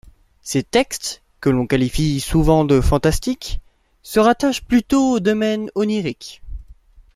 Ses textes, que l'on qualifie souvent de fantastiques, se rattachent plutôt au domaine onirique.